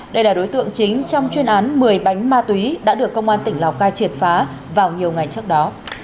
đây là đối tượng chính trong chuyên án một mươi bánh ma túy đã được công an tỉnh lào cai triệt phá vào nhiều ngày trước đó